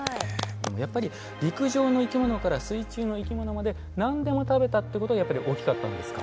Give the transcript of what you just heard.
やっぱり陸上の生き物から水中の生き物まで何でも食べたということがやっぱり大きかったんですか？